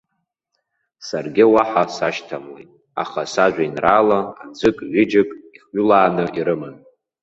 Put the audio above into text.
Саргьы уаҳа сашьҭамлеит, аха сажәеинраала аӡәык-ҩыџьак ихҩылааны ирыман.